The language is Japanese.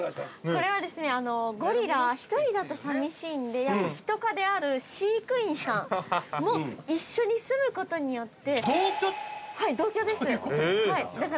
◆これはですね、ゴリラ１人だと寂しいんでヒト科である飼育員さんも一緒に住むことによって◆同居ということですか。